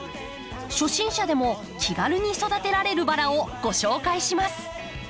初心者でも気軽に育てられるバラをご紹介します。